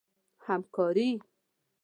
همکاري